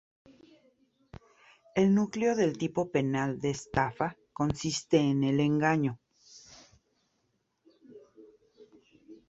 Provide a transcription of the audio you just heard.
El núcleo del tipo penal de estafa consiste en el engaño.